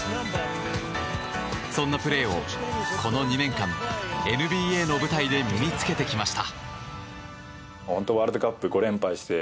そんなプレーを、この２年間ＮＢＡの舞台で身に着けてきました。